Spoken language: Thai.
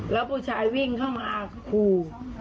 แล้วผู้ชายวิ่งเข้ามาขู่